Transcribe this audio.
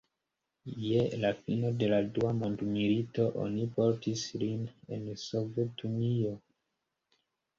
Je la fino de la dua mondmilito oni portis lin en Sovetunion.